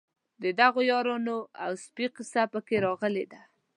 د دغو یارانو او سپي قصه په کې راغلې ده.